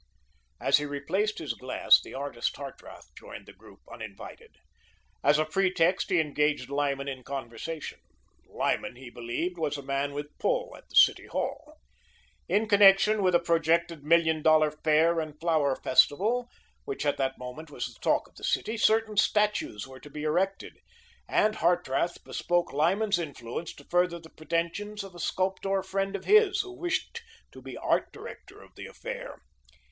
As he replaced his glass, the artist Hartrath joined the group uninvited. As a pretext, he engaged Lyman in conversation. Lyman, he believed, was a man with a "pull" at the City Hall. In connection with a projected Million Dollar Fair and Flower Festival, which at that moment was the talk of the city, certain statues were to be erected, and Hartrath bespoke Lyman's influence to further the pretensions of a sculptor friend of his, who wished to be Art Director of the affair.